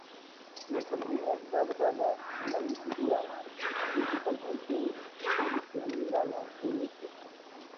Su economía está basada en la agricultura, principalmente en producción de granos y leche.